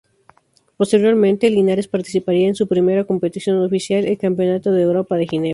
Posteriormente, Linares participaría en su primera competición oficial, el Campeonato de Europa de Ginebra.